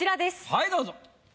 はいどうぞ。